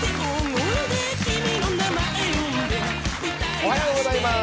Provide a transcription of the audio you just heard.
おはようございます。